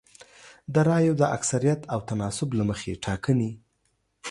د رایو د اکثریت او تناسب له مخې ټاکنې